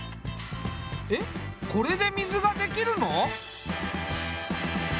えっこれで水ができるの？